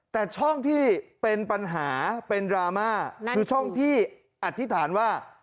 แต่ช่องที่เป็นปัญหาเป็นดราม่าคือช่องที่อธิษฐานว่า